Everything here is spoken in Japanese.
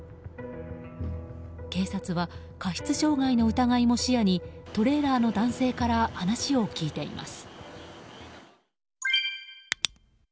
警察は過失傷害の疑いも視野にトレーラーの男性から話を聞いています。